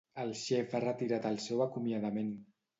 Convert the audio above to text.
El xef ha retirat el seu acomiadament.